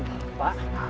ada apa ini